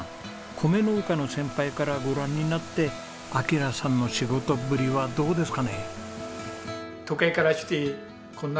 米農家の先輩からご覧になって暁良さんの仕事ぶりはどうですかね？